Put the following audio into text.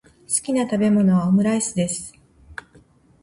好きな食べ物はオムライスです。